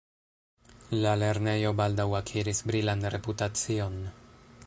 La lernejo baldaŭ akiris brilan reputacion.